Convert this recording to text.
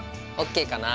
ＯＫかな。